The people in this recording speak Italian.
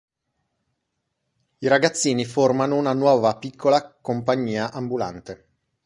I ragazzini formano una nuova piccola compagnia ambulante.